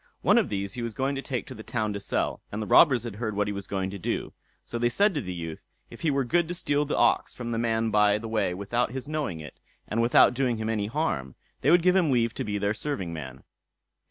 One of these he was to take to the town to sell, and the robbers had heard what he was going to do, so they said to the youth, if he were good to steal the ox from the man by the way without his knowing it, and without doing him any harm, they would give him leave to be their serving man.